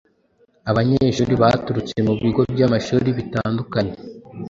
Abanyeshuri baturutse mu bigo by'amashuri bitandukanye